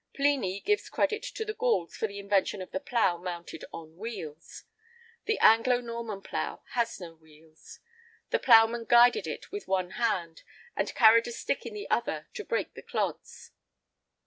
[I 33] Pliny gives credit to the Gauls for the invention of the plough mounted on wheels. The Anglo Norman plough had no wheels;[I 34] the ploughman guided it with one hand, and carried a stick in the other to break the clods.